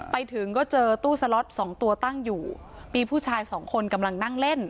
ไปถึงก็เจอตู้สล็อตสองตัวตั้งอยู่มีผู้ชายสองคนกำลังนั่งเล่น